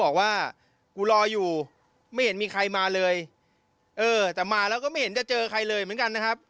บอกว่ากูรออยู่ไม่เห็นมีใครมาเลยเออแต่มาแล้วก็ไม่เห็นจะเจอใครเลยเหมือนกันนะครับ